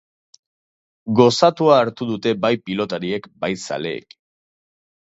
Gozatua hartu dute bai pilotariek bai zaleek.